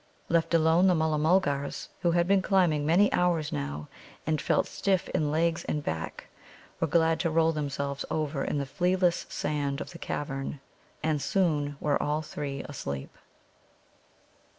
Left alone, the Mulla mulgars, who had been climbing many hours now, and felt stiff in legs and back, were glad to roll themselves over in the flealess sand of the cavern, and soon were all three asleep.